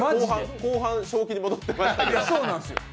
後半、正気に戻ってましたけど。